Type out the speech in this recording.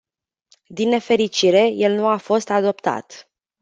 Din nefericire, el nu a fost adoptat.